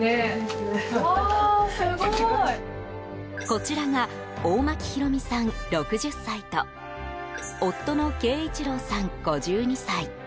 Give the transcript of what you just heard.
こちらが大巻広美さん、６０歳と夫の恵一郎さん、５２歳。